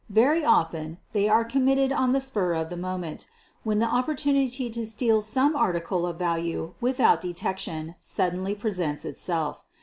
Very often they are committed on the spur of the moment, when the opportunity to steal some article of value with out detection suddenly presents itself.